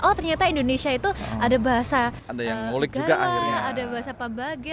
oh ternyata indonesia itu ada bahasa negara ada bahasa pabage